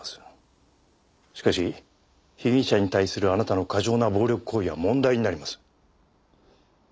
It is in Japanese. しかし被疑者に対するあなたの過剰な暴力行為は問題になります。